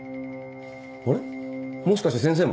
あれっもしかして先生も？